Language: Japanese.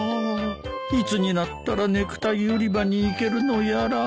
いつになったらネクタイ売り場に行けるのやら。